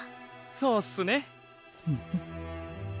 そうっすね。